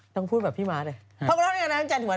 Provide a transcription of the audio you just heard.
ต้องพูดแบบพี่ม้าเลย